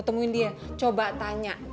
temuin dia coba tanya